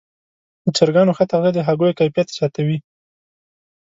د چرګانو ښه تغذیه د هګیو کیفیت زیاتوي.